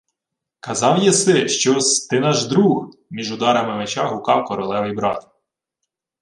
— Казав єси, що-с ти наш друг! — між ударами меча гукав королевий брат.